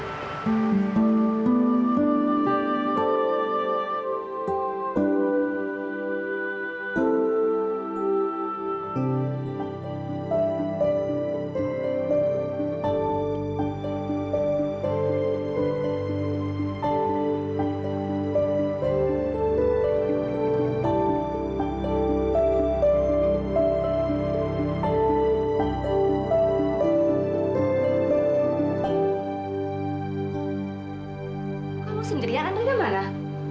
kamu sendiri ya andri gak marah